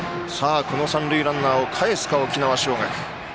この三塁ランナーをかえすか沖縄尚学。